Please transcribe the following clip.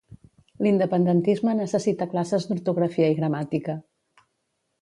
L'independentisme necessita classes d'ortografia i gramàtica